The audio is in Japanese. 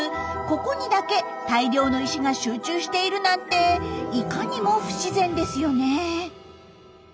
ここにだけ大量の石が集中しているなんていかにも不自然ですよね。